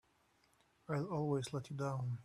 I'll always let you down!